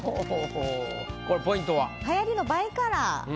これポイントは？